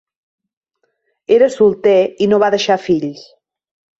Era solter i no va deixar fills.